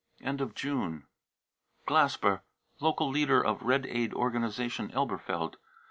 id of June, glasper, local leader of Red Aid organisation, Elberfeld.